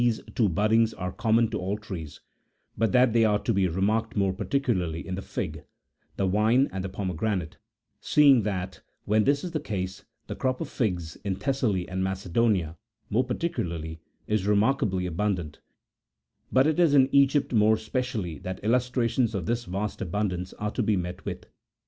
Some persons think that these two buddings are common to all trees, but that they are to be remarked more particularly in the fig, the vine, and the pome granate ; seeing that, when this is the case, the crop of figs, in Thessaly and Macedonia more particularly, is rem arkably abun dant : but it is in Egypt more especially that illustrations of this vast abundance are to be met with.